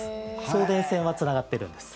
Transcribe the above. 送電線はつながってるんです。